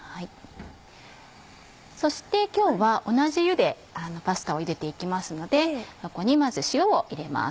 そして今日は同じ湯でパスタをゆでて行きますのでそこにまず塩を入れます。